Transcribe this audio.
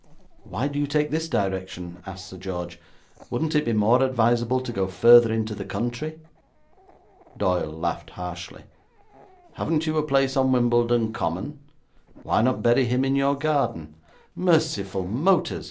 'Why do you take this direction?' asked Sir George. 'Wouldn't it be more advisable to go further into the country?' Doyle laughed harshly. 'Haven't you a place on Wimbledon Common? Why not bury him in your garden?' 'Merciful motors!'